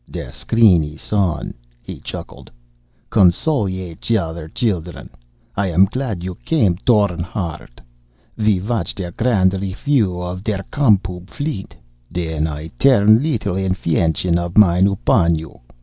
"Der screen is on," he chuckled. "Console each other, children. I am glad you came, Thorn Hardt. We watch der grand refiew of der Com Pub fleet. Then I turn a little infention of mine upon you.